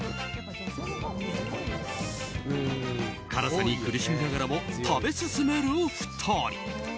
辛さに苦しみながらも食べ進める２人。